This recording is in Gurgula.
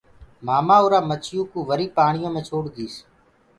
مآمآ اُرآ مڇيو ڪوُ وري پآڻيو مي ڇوڙ ديس۔